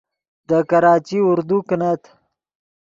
دے کراچی اردو کینت